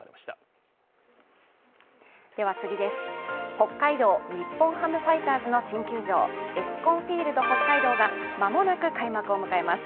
北海道日本ハムファイターズの新球場、ＥＳＣＯＮＦＩＥＬＤＨＯＫＫＡＩＤＯが間もなく開幕を迎えます。